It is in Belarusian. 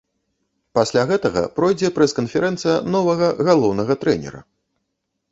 Пасля гэтага пройдзе прэс-канферэнцыя новага галоўнага трэнера.